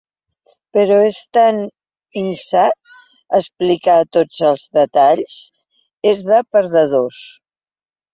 Però és tan insà explicar tots els detalls… És de perdedors.